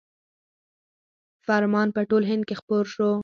فرمان په ټول هند کې خپور شو.